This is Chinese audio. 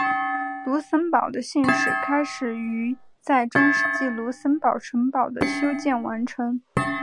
卢森堡的信史开始于在中世纪卢森堡城堡的修建完成。